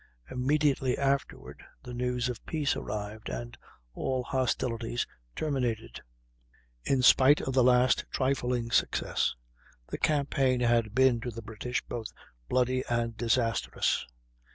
Immediately afterward the news of peace arrived and all hostilities terminated. In spite of the last trifling success, the campaign had been to the British both bloody and disastrous.